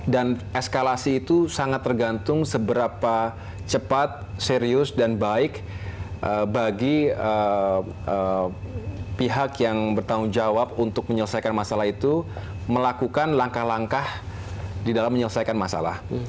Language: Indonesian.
dan eskalasi itu sangat tergantung seberapa cepat serius dan baik bagi pihak yang bertanggung jawab untuk menyelesaikan masalah itu melakukan langkah langkah di dalam menyelesaikan masalah